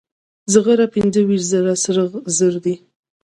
زغره پنځه ویشت زره سره زر ده.